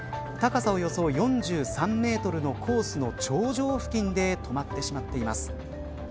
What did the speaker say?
高さおよそ４３メートルのコースの頂上付近で止まってしまっています。